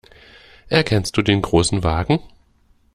Erkennst du den Großen Wagen?